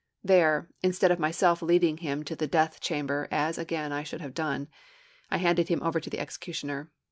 There, instead of myself leading him to the death chamber, as, again, I should have done, I handed him over to the executioner.